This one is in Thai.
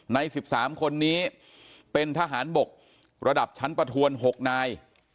ใน๑๓คนนี้เป็นทหารบกระดับชั้นประทวน๖นาย